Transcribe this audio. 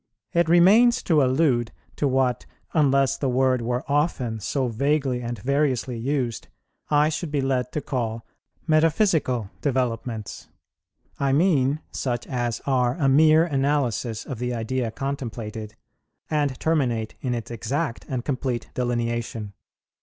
It remains to allude to what, unless the word were often so vaguely and variously used, I should be led to call metaphysical developments; I mean such as are a mere analysis of the idea contemplated, and terminate in its exact and complete delineation.